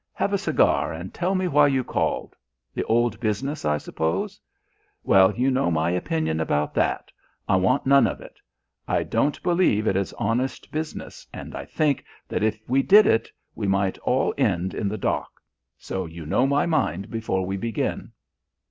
Have a cigar and tell me why you called the old business, I suppose? Well, you know my opinion about that. I want none of it. I don't believe it is honest business, and I think that if we did it, we might all end in the dock. So you know my mind before we begin."